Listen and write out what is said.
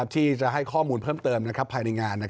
ที่จะให้ข้อมูลเพิ่มเติมภายในงาน